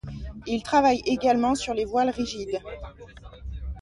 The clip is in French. Il travaille également sur les voiles rigides.